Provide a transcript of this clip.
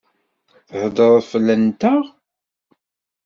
Theddṛeḍ fell-anteɣ?